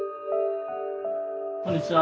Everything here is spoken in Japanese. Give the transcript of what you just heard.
こんにちは。